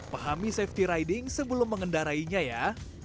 pahami safety riding sebelum mengendarainya ya